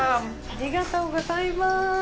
ありがとうございます。